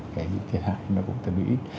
cái thiệt hại nó cũng tầm đủ ít